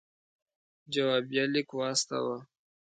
جوابیه لیک واستاوه.